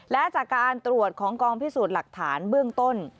และจากการตรวจของกองพิสูจน์หลักฐานเบื้องต้น